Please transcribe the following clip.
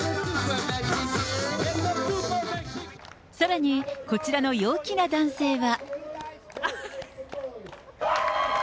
さらに、こちらの陽気な男性は。